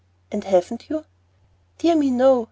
"And haven't you?" "Dear me, no.